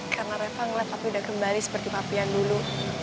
karena reva ngelihat pak pi udah kembali seperti pak pi yang dulu